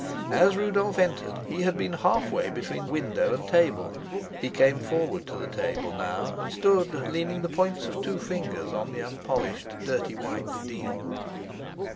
As Rudolf entered, he had been half way between window and table; he came forward to the table now, and stood leaning the points of two fingers on the unpolished dirty white deal.